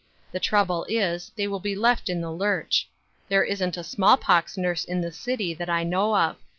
The trouble is, they will be left in the lurch. There isn't a small pox Liurse in the city that I know of.